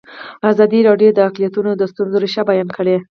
ازادي راډیو د اقلیتونه د ستونزو رېښه بیان کړې.